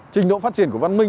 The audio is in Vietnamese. trình độ phát triển của văn minh